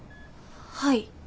はい。